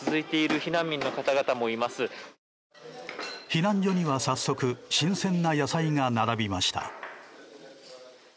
避難所には早速新鮮な野菜が並びました。